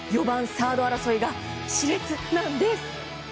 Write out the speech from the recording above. ４番サード争いが熾烈なんです。